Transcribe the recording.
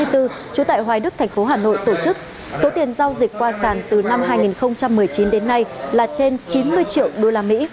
trú tại hoài đức thành phố hà nội tổ chức số tiền giao dịch qua sản từ năm hai nghìn một mươi chín đến nay là trên chín mươi triệu usd